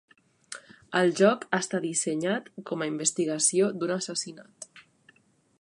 El joc està dissenyat com a investigació d'un assassinat.